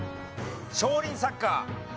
『少林サッカー』。